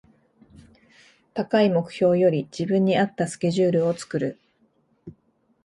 高い目標より自分に合ったスケジュールを作る